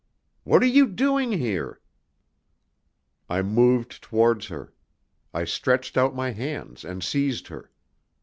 "What are you doing here?" I moved towards her. I stretched out my hands and seized her.